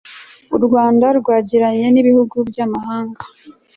urwanda rwagiranye n'ibihugu by'amahanga